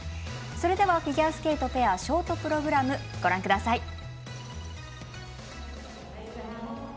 それではフィギュアスケートペアショートプログラムご覧ください。